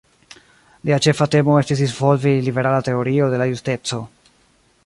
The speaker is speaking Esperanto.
Lia ĉefa temo estis disvolvi liberala teorio de la justeco.